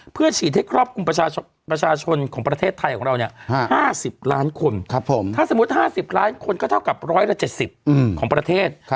เพื่อฉีดให้ครอบคลุมประชาชนของประเทศไทยของเรา๕๐ล้านคนถ้าสมมุติ๕๐ล้านคนก็เท่ากับ๑๗๐ของประเทศ